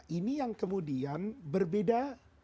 ini yang kemudian berbeda